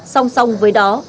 song song với đó